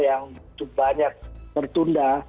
yang banyak bertunda